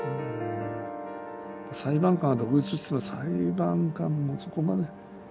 裁判官は独立といっても裁判官もそこまで。